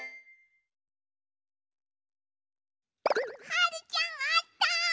はるちゃんあった！